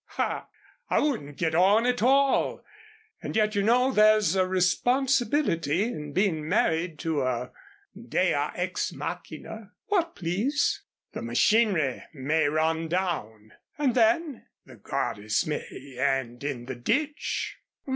Ah! I wouldn't get on at all. And yet you know there's a responsibility in being married to a Dea ex Machina." "What, please?" "The machinery may run down." "And then?" "The goddess may end in the ditch."